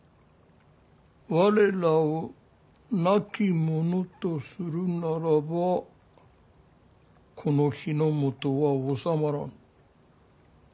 我らを亡き者とするならばこの日本は治まらぬ。